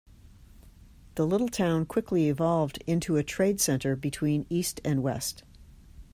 The little town quickly evolved into a trade center between east and west.